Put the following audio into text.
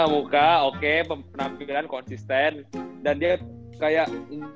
buka oke penampilan konsisten dan dia kayak